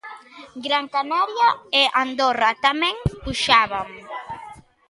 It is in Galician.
Gran Canaria e Andorra tamén puxaban.